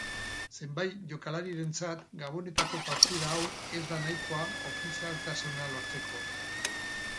Zenbait jokalarirentzat gabonetako partida hau ez da nahikoa ofizialtasuna lortzeko.